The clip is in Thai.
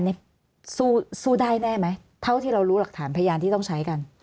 นี่สู้ได้แน่ไหมเท่าที่เรารู้หลักฐานพยานที่ต้องใช้กัน